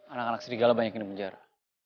anak anak serigala banyak ini menjara